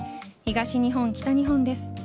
東日本、北日本です。